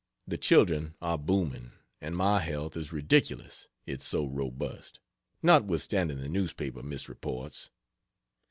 The children are booming, and my health is ridiculous, it's so robust, notwithstanding the newspaper misreports.